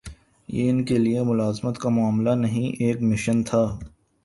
یہ ان کے لیے ملازمت کا معاملہ نہیں، ایک مشن تھا۔